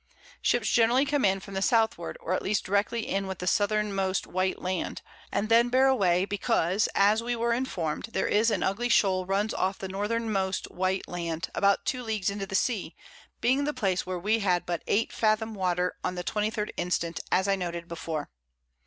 Ships generally come in from the Southward, or at least directly in with the Southermost white Land, and then bear away, because (as we were inform'd) there is an ugly Shole runs off the Northernmost white Land, about 2 Leagues into the Sea, being the Place where we had but 8 Fathom Water on the 23d instant, as I noted before.